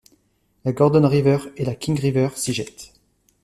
La Gordon River et la King River s'y jettent.